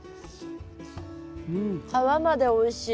皮までおいしい。